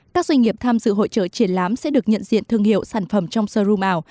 các doanh nghiệp tham dự hội trợ triển lãm sẽ được nhận diện thương hiệu sản phẩm trong sơ ru màu